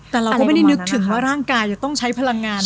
แต่เราก็ไม่ได้นึกถึงว่าร่างกายจะต้องใช้พลังงาน